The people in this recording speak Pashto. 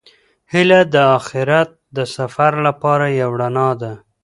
هیله د اخیرت د سفر لپاره یو رڼا ده.